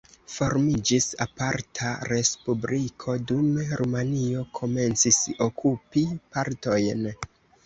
Formiĝis aparta respubliko, dume Rumanio komencis okupi partojn.